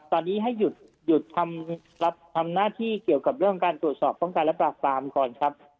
ตอนนี้ให้หยุดทำหน้าที่เกี่ยวกับเรื่องการตรวจสอบป้องกันและปราบปรามก่อนครับ